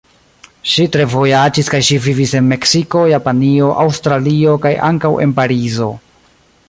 Ŝi tre vojaĝis kaj ŝi vivis en Meksiko, Japanio, Aŭstralio kaj ankaŭ en Parizo.